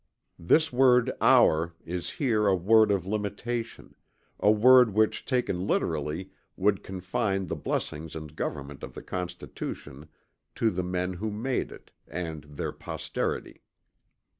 This word "our" is here a word of limitation, a word which taken literally would confine the blessings and government of the Constitution to the men who made it and their posterity.